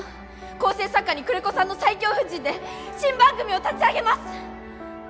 構成作家に久連木さんの最強布陣で新番組を立ち上げます！